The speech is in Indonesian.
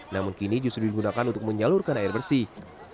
namun kini justru digunakan untuk menyalurkan air bersih